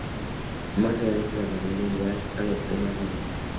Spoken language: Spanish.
Más adelante, la familia Ingalls adopta más niños.